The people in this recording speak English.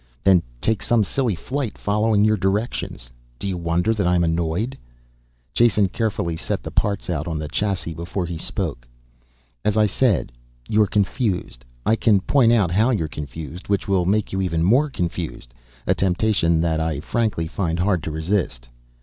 Then take some silly flight following your directions. Do you wonder that I'm annoyed?" Jason carefully set the parts out on the chassis before he spoke. "As I said, you're confused. I can point out how you're confused which will make you even more confused. A temptation that I frankly find hard to resist."